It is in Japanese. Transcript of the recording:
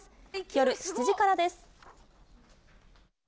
夜７時からです。